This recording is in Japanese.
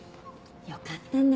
よかったねえ。